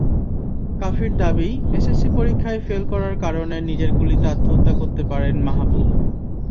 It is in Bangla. কাফির দাবি, এসএসসি পরীক্ষায় ফেল করার কারণে নিজের গুলিতে আত্মহত্যা করতে পারেন মাহবুব।